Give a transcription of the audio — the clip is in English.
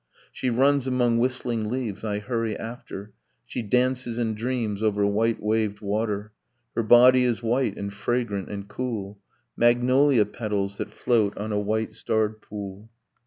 . She runs among whistling leaves; I hurry after; She dances in dreams over white waved water; Her body is white and fragrant and cool, Magnolia petals that float on a white starred pool